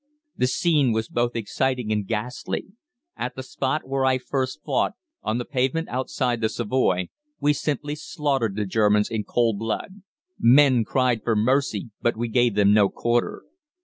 "The scene was both exciting and ghastly. At the spot where I first fought on the pavement outside the Savoy we simply slaughtered the Germans in cold blood. Men cried for mercy, but we gave them no quarter.